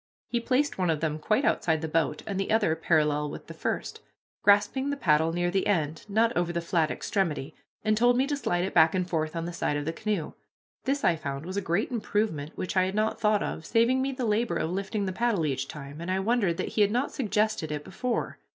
He placed one of them quite outside the boat, and the other parallel with the first, grasping the paddle near the end, not over the flat extremity, and told me to slide it back and forth on the side of the canoe. This, I found, was a great improvement which I had not thought of, saving me the labor of lifting the paddle each time, and I wondered that he had not suggested it before.